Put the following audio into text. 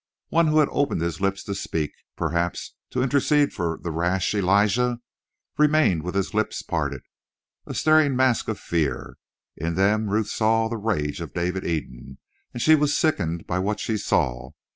One who had opened his lips to speak, perhaps to intercede for the rash Elijah, remained with his lips parted, a staring mask of fear. In them Ruth saw the rage of David Eden, and she was sickened by what she saw.